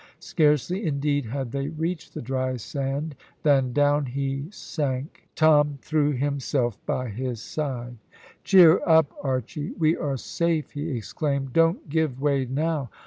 Scarcely, indeed, had they reached the dry sand than down he sank. Toot threw himself by his side. "Cheer up, Archy; we are safe," he exclaimed. "Don't give way now."